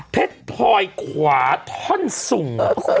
เพชรพลอยขวาท่อนสุ่ง